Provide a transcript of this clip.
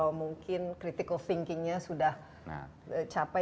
atau mungkin critical thinkingnya sudah capai